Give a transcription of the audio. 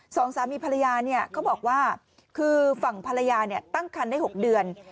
สองสามีภรรยาเนี่ยเขาบอกว่าคือฝั่งภรรยาตั้งคันได้๖เดือน